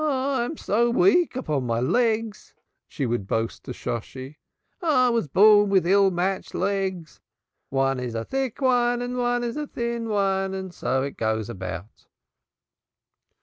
"I'm so weak upon my legs," she would boast to Shosshi. "I was born with ill matched legs. One is a thick one and one is a thin one, and so one goes about."